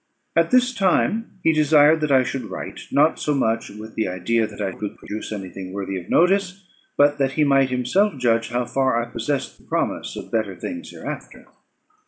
At this time he desired that I should write, not so much with the idea that I could produce any thing worthy of notice, but that he might himself judge how far I possessed the promise of better things hereafter.